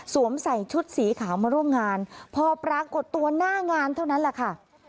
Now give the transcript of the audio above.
ใส่ชุดสีขาวมาร่วมงานพอปรากฏตัวหน้างานเท่านั้นแหละค่ะ